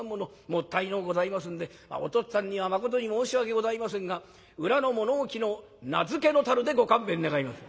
もったいのうございますんでお父っつぁんにはまことに申し訳ございませんが裏の物置の菜漬の樽でご勘弁願います」。